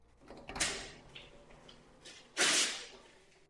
Ve stejném roce se objevil po boku Emmy Stone ve filmu "La La Land".